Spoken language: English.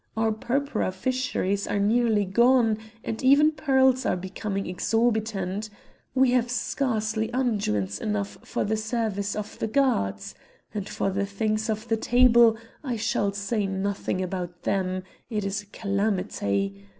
Our purpura fisheries are nearly gone, and even pearls are becoming exhorbitant; we have scarcely unguents enough for the service of the gods! As for the things of the table, I shall say nothing about them; it is a calamity!